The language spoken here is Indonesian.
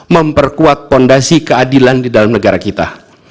memperkuat fondasi keadilan di dalam negara kita